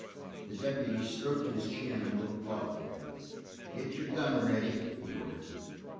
The deputy stroked his chin and looked thoughtful. "Get your gun ready," he ordered.